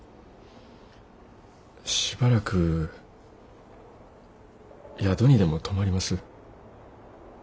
しばらく宿にでも泊まります。